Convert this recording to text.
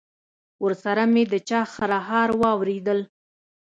ورسره مې د چا خرهار واورېدل.